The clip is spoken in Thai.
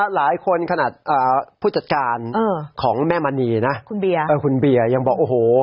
หลายคนขนาดผู้จัดการของแม่มณีนะคุณเบียร์คุณเบียร์ยังบอกโอ้โห